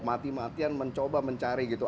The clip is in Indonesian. mati matian mencoba mencari gitu